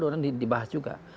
orang dibahas juga